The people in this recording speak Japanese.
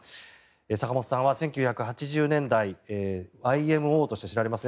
坂本さんは１９８０年代ＹＭＯとして知られます